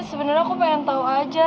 sebenernya aku pengen tau aja